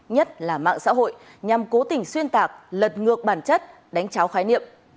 nhất là mạng xã hội nhằm cố tình xuyên tạc lật ngược bản chất đánh cháo khái niệm